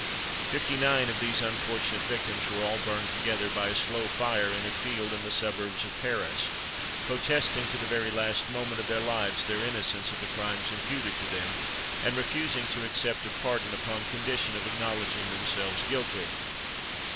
Fifty nine of these unfortunate victims were all burned together by a slow fire in a field in the suburbs of Paris, protesting to the very last moment of their lives their innocence of the crimes imputed to them, and refusing to accept of pardon upon condition of acknowledging themselves guilty.